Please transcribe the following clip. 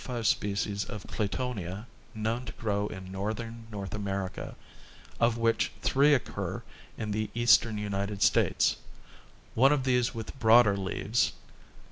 91 92 species of Claytonia known to grow in northern North America, of which three occur in the eastern United States, one of these with broader leaves, C.